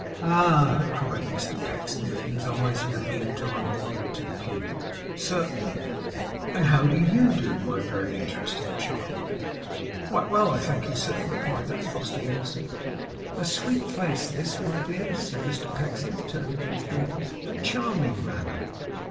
'Ah!' cried Mr Pecksniff whose eyes had in the meantime wandered to the pupil; 'certainly. And how do YOU do, my very interesting child?' 'Quite well, I thank you, sir,' replied that frosty innocent. 'A sweet face this, my dears,' said Mr Pecksniff, turning to his daughters. 'A charming manner!